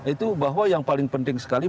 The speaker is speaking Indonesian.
itu bahwa yang paling penting sekali